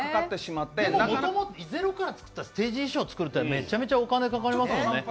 でも、ゼロから作ったステージ衣装を作るとなったらめちゃめちゃお金かかりますもんね。